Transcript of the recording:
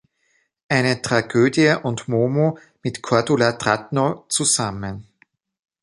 Eine Tragödie" und "Momo" mit Cordula Trantow zusammen.